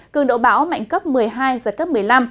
cường độ bão mạnh cấp một mươi hai giật cấp một mươi năm